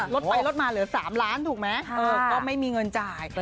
ลดไปลดมาเหลือ๓ล้านถูกไหมก็ไม่มีเงินจ่าย